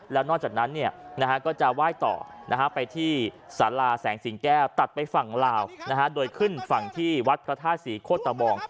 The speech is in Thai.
แล้วนอกจากนั้นก็จะไหว้ต่อไปที่สาราแสงสิงแก้วตัดไปฝั่งลาวโดยขึ้นฝั่งที่วัดพระธาตุศรีโคตะบอง